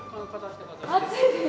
熱いです。